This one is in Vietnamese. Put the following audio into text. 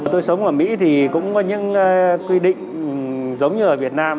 tôi sống ở mỹ thì cũng có những quy định giống như ở việt nam